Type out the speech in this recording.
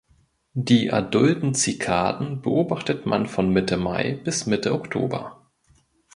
Die adulten Zikaden beobachtet man von Mitte Mai bis Mitte Oktober.